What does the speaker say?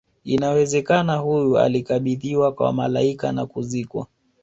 inawezeka huyu alikabidhiwa kwa malaika na kuzikwa